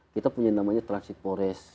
kita punya namanya transit forest